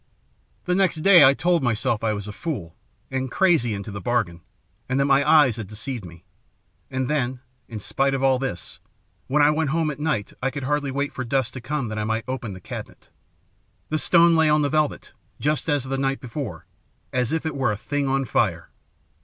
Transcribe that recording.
"The next day I told myself I was a fool, and crazy into the bargain, and that my eyes had deceived me. And then, in spite of all this, when I went home at night I could hardly wait for dusk to come that I might open the cabinet. "The stone lay on the velvet, just as the night before, as if it were a thing on fire!